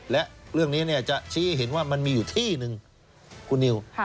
และเรื่องนี้จะชี้ให้เห็นว่ามันมีอยู่ที่หนึ่งคุณนิว